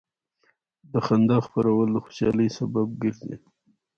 د خندا خپرول د خوشحالۍ سبب کېږي.